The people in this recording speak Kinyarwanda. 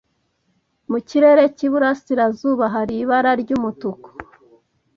Mu kirere cy'iburasirazuba hari ibara ry'umutuku